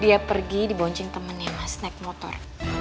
dia pergi di boncing temennya mas naik motor